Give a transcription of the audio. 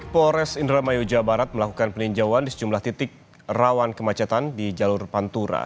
peninjawan dilakukan di sejumlah titik rauan kemacetan di jalur pantura